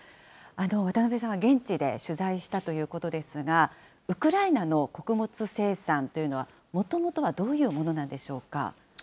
渡辺さんは現地で取材したということですが、ウクライナの穀物生産というのは、もともとはどういうものなんでしょうか。